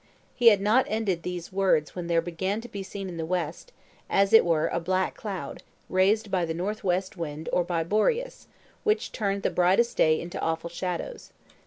He had not ended these words when there began to be seen in the west, as it were a black cloud, raised by the north west wind or by Boreas, which turned the brightest day into awful shadows.